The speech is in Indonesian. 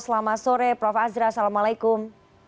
selamat sore prof azra assalamualaikum